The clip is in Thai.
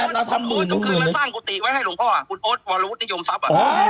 โอ๊ตมาสร้างกุติไว้ให้หัวลุงพ่อ